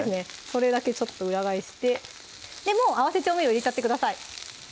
それだけちょっと裏返してもう合わせ調味料入れちゃってください